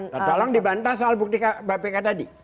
tolong dibantah soal bukti bapak pekat tadi